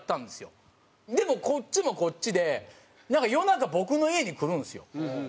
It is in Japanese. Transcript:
でもこっちもこっちでなんか夜中僕の家に来るんですよ。